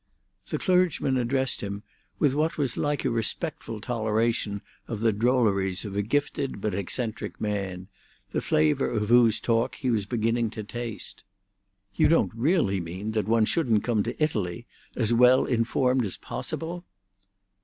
The clergyman addressed him with what was like a respectful toleration of the drolleries of a gifted but eccentric man, the flavour of whose talk he was beginning to taste. "You don't really mean that one shouldn't come to Italy as well informed as possible?"